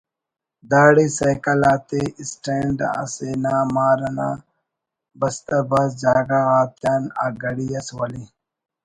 داڑے سیکل آتے اسٹینڈ اسے نا مار نا بستہ بھاز جاگہ غاتیان اگڑی ئس ولے